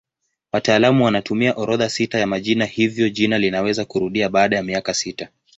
Wataalamu wanatumia orodha sita ya majina hivyo jina linaweza kurudia baada ya miaka sita.